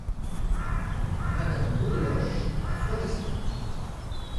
Madame Beaudeloche , à Florestine.